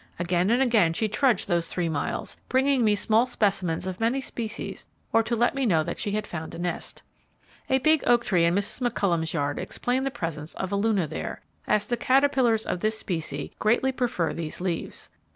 Again and again she trudged those three miles, bringing me small specimens of many species or to let me know that she had found a nest. A big oak tree in Mrs. McCollum's yard explained the presence of a Luna there, as the caterpillars of this specie greatly prefer these leaves.